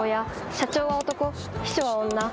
社長は男秘書は女。